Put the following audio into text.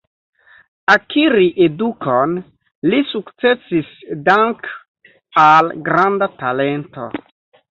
Akiri edukon li sukcesis dank al granda talento.